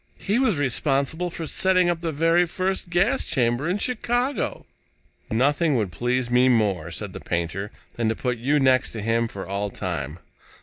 "He was responsible for setting up the very first gas chamber in Chicago." "Nothing would please me more," said the painter, "than to put you next to him for all time.